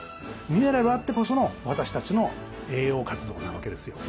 ミネラルあってこその私たちの栄養活動なわけですよ。